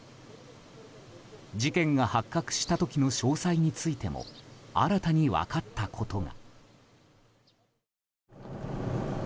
事件が発覚した時の詳細についても新たに分かったことが。